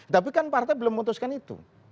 tapi kan partai belum memutuskan itu